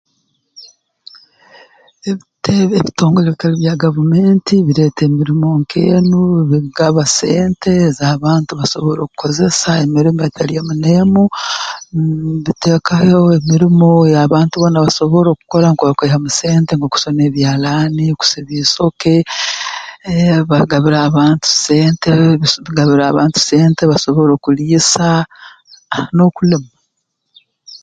Ebitebe ebitongole ebitali bya gavumenti bireeta emirimo nk'enu bigaba sente z'abantu basobora okukozesa emirimo etali emu n'emu mmh mbiteekaho emirimo ey'abantu boona basobora okukora nukwe bakaihamu sente mu kusona ebyalaani kusiba isoke eeh bagabira abantu sente bagabira abantu sente basobole okuliisa ah n'okulima